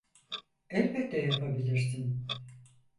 Elbette yapabilirsin.